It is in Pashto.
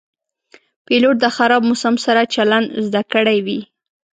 پیلوټ د خراب موسم سره چلند زده کړی وي.